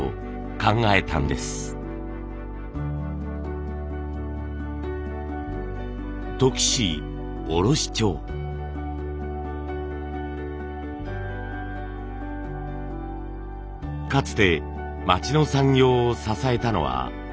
かつて町の産業を支えたのはとっくり。